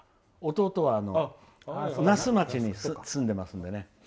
弟は那須町に住んでますのでね。